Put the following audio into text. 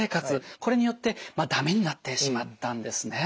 これによってだめになってしまったんですね。